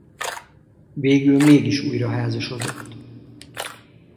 Végül mégis újraházasodott.